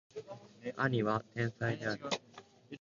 兄は天才である